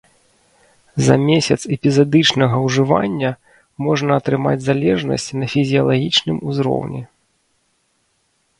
За месяц эпізадычнага ўжывання можна атрымаць залежнасць на фізіялагічным узроўні.